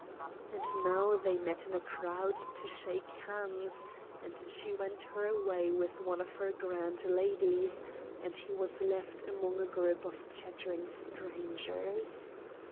And now they met in a crowd to shake hands, and she went her way with one of her grand ladies, and he was left among a group of chattering strangers.